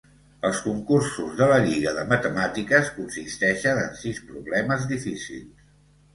Els concursos de la Lliga de Matemàtiques consisteixen en sis problemes difícils.